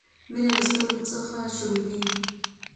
مينه له سترګو شروع کیږی